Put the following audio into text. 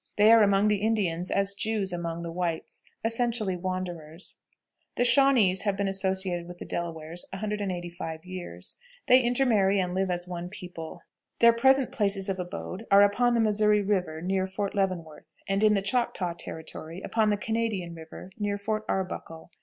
They are among the Indians as the Jews among the whites, essentially wanderers. The Shawnees have been associated with the Delawares 185 years. They intermarry and live as one people. Their present places of abode are upon the Missouri River, near Fort Leavenworth, and in the Choctaw Territory, upon the Canadian River, near Fort Arbuckle.